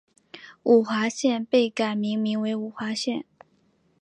五华县被改名名为五华县。